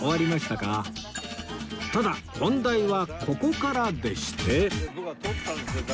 ただ本題はここからでして